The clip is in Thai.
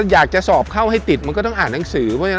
อยากจะสอบเข้าให้ติดมันก็ต้องอ่านหนังสือ